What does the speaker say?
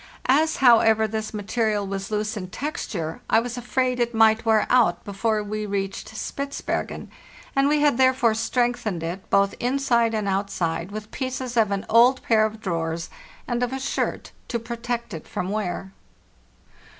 As, however, this material was loose in texture, I was afraid it might wear out before we reached Spitzbergen, and we had therefore strengthened it both inside and outside 'with pieces of an old pair of drawers and of a shirt to protect it from wear.